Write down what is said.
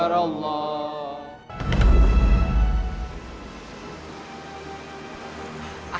allahu akbar allahu akbar